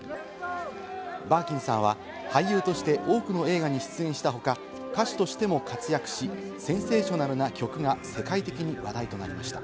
バーキンさんは俳優として多くの映画に出演した他、歌手としても活躍し、センセーショナルな曲が世界的に話題となりました。